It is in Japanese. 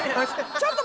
ちょっと！